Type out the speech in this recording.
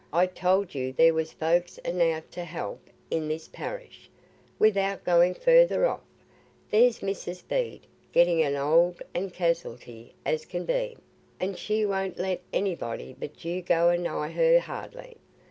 I told you there was folks enow t' help i' this parish, wi'out going further off. There's Mrs. Bede getting as old and cas'alty as can be, and she won't let anybody but you go a nigh her hardly.